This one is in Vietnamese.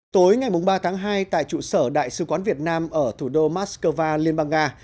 tối ngày ba tháng hai tại trụ sở đại sứ quán việt nam ở thủ đô moscow liên bang nga